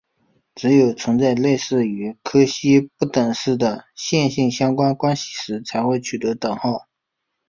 只有存在类似于柯西不等式的线性相关关系时才会取得等号。